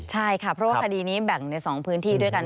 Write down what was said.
ใช่ค่ะเพราะว่าคดีนี้แบ่งใน๒พื้นที่ด้วยกัน